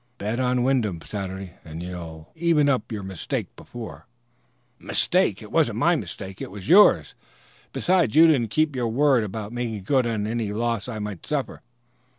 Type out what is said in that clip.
Bet on Wyndham Saturday and you'll even up your mistake before." "My mistake! It wasn't my mistake; it was yours. Besides, you didn't keep your word about making good any loss I might suffer.